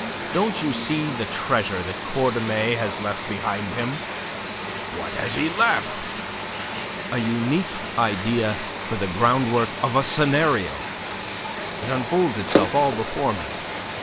Don't you see the treasure that Cordemais has left behind him?" "What has he left?" "A unique idea for the groundwork of a scenario. It unfolds itself all before me.